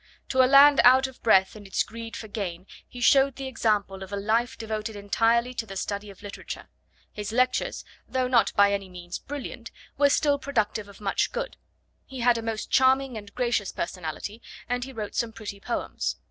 To a land out of breath in its greed for gain he showed the example of a life devoted entirely to the study of literature; his lectures, though not by any means brilliant, were still productive of much good; he had a most charming and gracious personality, and he wrote some pretty poems.